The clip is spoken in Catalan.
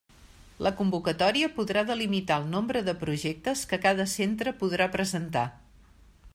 La convocatòria podrà delimitar el nombre de projectes que cada centre podrà presentar.